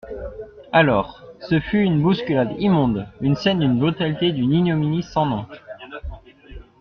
Alors, ce fut une bousculade immonde, une scène d'une brutalité et d'une ignominie sans nom.